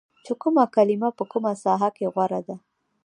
چې کومه کلمه په کومه ساحه کې غوره ده